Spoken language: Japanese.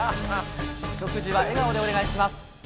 食事は笑顔でお願いします。